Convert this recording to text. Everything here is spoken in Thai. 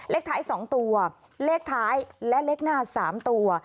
เลขท้าย๒ตัวเลขท้ายและเลขหน้า๓ตัว